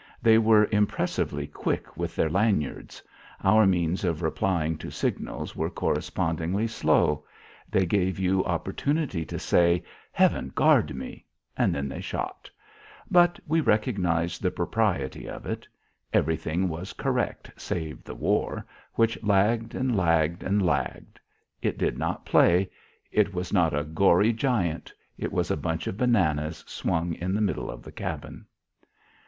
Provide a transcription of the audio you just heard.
They were impressively quick with their lanyards; our means of replying to signals were correspondingly slow. They gave you opportunity to say, "Heaven guard me!" Then they shot. But we recognised the propriety of it. Everything was correct save the war, which lagged and lagged and lagged. It did not play; it was not a gory giant; it was a bunch of bananas swung in the middle of the cabin.